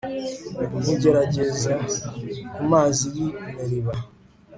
nkugeragereza ku mazi y'i meriba